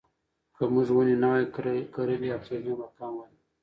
که موږ ونې نه وای کرلې اکسیجن به کم وای.